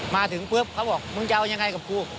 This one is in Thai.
มาถึงปุ๊บเขาบอกมึงจะเอายังไงกับกู